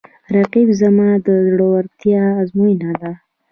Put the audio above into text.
رقیب زما د زړورتیا آزموینه ده